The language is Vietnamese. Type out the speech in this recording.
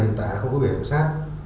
hiện tại không có bể bảo sát